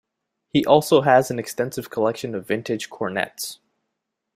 He also has an extensive collection of vintage cornets.